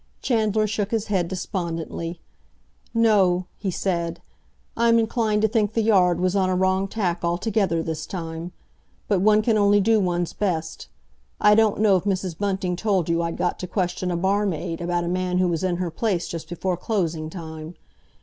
Chandler shook his head despondently. "No," he said, "I'm inclined to think the Yard was on a wrong tack altogether this time. But one can only do one's best. I don't know if Mrs. Bunting told you I'd got to question a barmaid about a man who was in her place just before closing time.